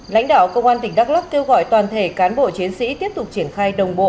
lãnh đạo công an tỉnh đắk lắc kêu gọi toàn thể cán bộ chiến sĩ tiếp tục triển khai đồng bộ